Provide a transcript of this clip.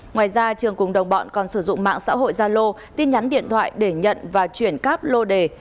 ngoài ra trường cùng đồng bọn còn sử dụng mạng xã hội gia lô tin nhắn điện thoại để nhận và chuyển cáp lô đề